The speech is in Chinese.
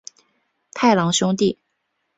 太郎兄弟。